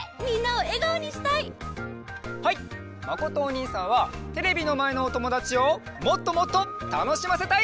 まことおにいさんはテレビのまえのおともだちをもっともっとたのしませたい！